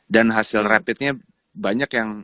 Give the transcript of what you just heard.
dan hasil rapid nya banyak yang